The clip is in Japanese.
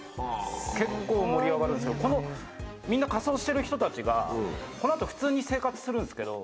結構盛り上がるんですけどこの仮装してる人たちがこの後普通に生活するんですけど。